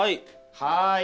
はい。